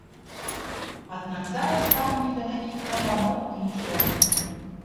Аднак зараз стаўленне да такіх прапаноў іншае.